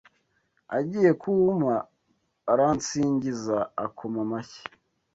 Agiye kuwumpa aransingiza akoma amashyi